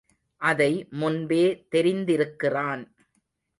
அதை முன்பே தெரிந்திருக்கிறான்.